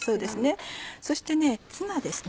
そしてツナです。